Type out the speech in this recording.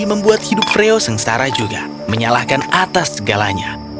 membuat hidup prio sengsara juga menyalahkan atas segalanya